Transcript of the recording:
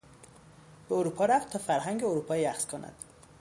به اروپا رفت تا فرهنگ اروپایی اخذ کند.